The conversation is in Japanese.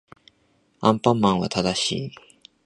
アンパンマンは正しい